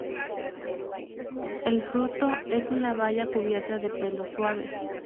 El fruto es una baya cubierta de pelos suaves.